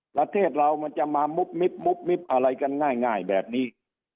ประเทศเรามันจะมามุบมิบมุบมิบอะไรกันง่ายแบบนี้